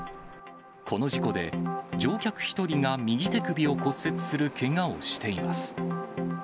この事故で、乗客１人が右手首を骨折するけがをしています。